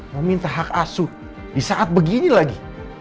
mau minta hak asuh di saat begini lagi